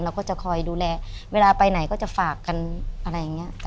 ก็จะคอยดูแลเวลาไปไหนก็จะฝากกันอะไรอย่างนี้